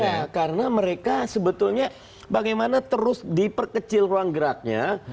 nah karena mereka sebetulnya bagaimana terus diperkecil ruang geraknya